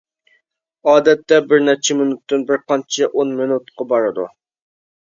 ئادەتتە، بىر نەچچە مىنۇتتىن بىر قانچە ئون مىنۇتقا بارىدۇ.